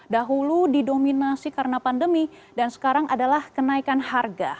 dahulu didominasi karena pandemi dan sekarang adalah kenaikan harga